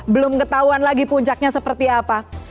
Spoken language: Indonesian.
belum ketahuan lagi puncaknya seperti apa